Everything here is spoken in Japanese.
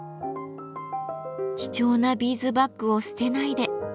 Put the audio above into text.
「貴重なビーズバッグを捨てないで」。